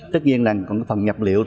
tất nhiên là phần nhập liệu